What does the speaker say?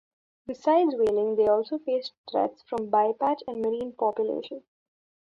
Besides whaling, they also face threats from bycatch and marine pollution.